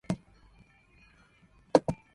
The ship could carry of coal.